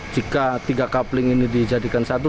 jika tiga coupling ini dijadikan satu